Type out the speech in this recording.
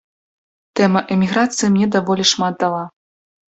Тэма эміграцыі мне даволі шмат дала.